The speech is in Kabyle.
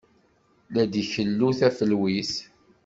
La d-ikellu tafelwit.